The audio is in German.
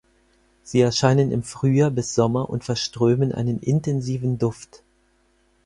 Sie erscheinen im Frühjahr bis Sommer und verströmen einen intensiven Duft.